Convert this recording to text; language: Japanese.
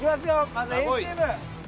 まずＡチーム。